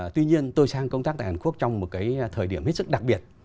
tuy nhiên tôi sang công tác tại hàn quốc trong một cái thời điểm hết sức đặc biệt